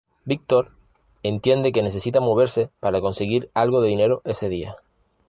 Víctor entiende que necesita moverse para conseguir algo de dinero ese día.